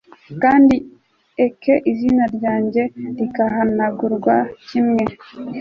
kandi eke izina ryanjye rikahanagurwa kimwe